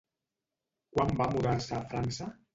Quan va mudar-se a França?